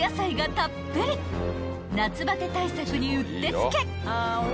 ［夏バテ対策にうってつけ］